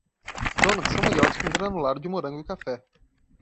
Donuts são melhores com granulado de morango e café.